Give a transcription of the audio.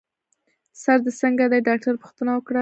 سر دي څنګه دی؟ ډاکټر پوښتنه وکړه.